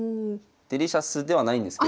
デリシャスではないんですけど。